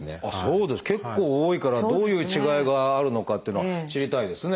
結構多いからどういう違いがあるのかっていうのは知りたいですね。